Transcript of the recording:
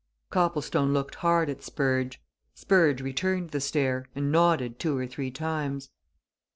Copplestone looked hard at Spurge; Spurge returned the stare, and nodded two or three times.